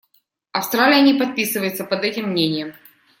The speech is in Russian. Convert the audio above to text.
Австралия не подписывается под этим мнением.